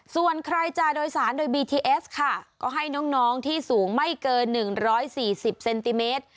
ส่วนใครจ่าโดยสารโดยบีทีเอสค่ะก็ให้น้องน้องที่สูงไม่เกินหนึ่งร้อยสี่สิบเซนติเมตร